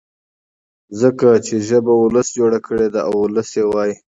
ځکه چي ژبه ولس جوړه کړې ده او ولس يې وايي.